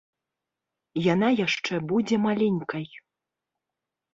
Яна яшчэ будзе маленькай.